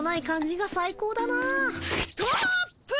ストップ！